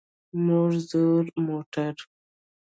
موږ زوړ موټر.